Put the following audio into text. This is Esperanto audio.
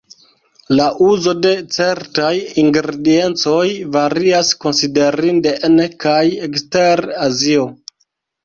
La uzo de certaj ingrediencoj varias konsiderinde en kaj ekster Azio.